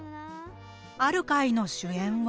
ある回の主演は？